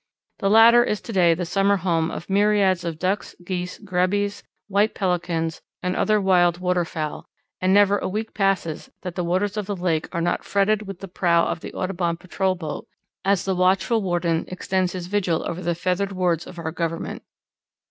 The latter is to day the summer home of myriads of Ducks, Geese, Grebes, White Pelicans, and other wild waterfowl, and never a week passes that the waters of the lake are not fretted with the prow of the Audubon patrol boat, as the watchful warden extends his vigil over the feathered wards of our Government.